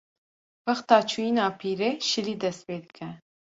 wexta çûyîna pîrê, şilî dest pê dike